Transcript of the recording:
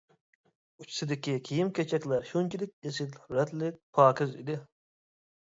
ئۇچىسىدىكى كىيىم-كېچەكلەر شۇنچىلىك ئېسىل، رەتلىك، پاكىز ئىدى.